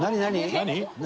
何？